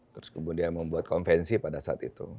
terus kemudian membuat konvensi pada saat itu